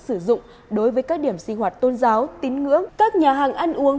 sử dụng đối với các điểm sinh hoạt tôn giáo tín ngưỡng các nhà hàng ăn uống